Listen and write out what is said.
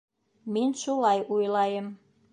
Мин шулай уйлайым.